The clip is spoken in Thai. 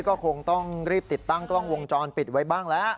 ก็คงต้องรีบติดตั้งกล้องวงจรปิดไว้บ้างแล้ว